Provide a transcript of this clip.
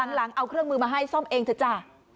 หลังเอาเครื่องมือมาให้ซ่อมเองเถอะจ้ะ